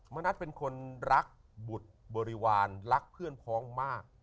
มณัฐเป็นคนรักบุตรบริวารรักเพื่อนพ้องมาก